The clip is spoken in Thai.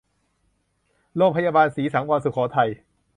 โรงพยาบาลศรีสังวรสุโขทัย